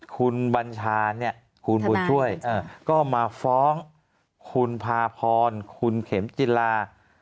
คุณบุญช่วยก็มาฟ้องคุณพาพรคุณเข็มจิลา